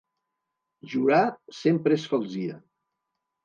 Jurar sempre és falsia.